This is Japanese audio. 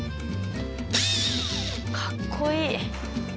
かっこいい